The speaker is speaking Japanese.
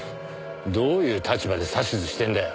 どういう立場で指図してんだよ。